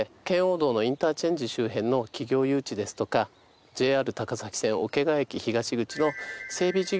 圏央道のインターチェンジ周辺の企業誘致ですとかＪＲ高崎線桶川駅東口の整備